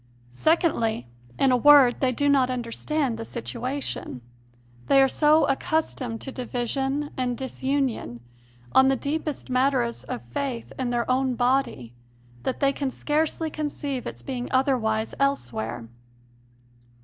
Secondly, in a word, they do not understand the situation. They are so accustomed to division and disunion 142 CONFESSIONS OF A CONVERT on the deepest matters of faith in their own body, that they can scarcely conceive its being otherwise elsewhere.